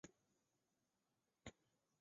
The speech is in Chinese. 耿宝袭封牟平侯。